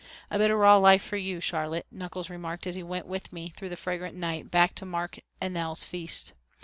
"A bit of raw life for you, Charlotte," Nickols remarked as he went with me through the fragrant night back to Mark's and Nell's feast.